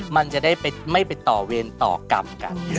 มันจะได้ไม่ไปต่อเวรต่อกรรมกัน